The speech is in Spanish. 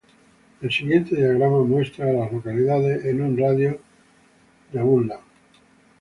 El siguiente diagrama muestra a las localidades en un radio de de Woodland.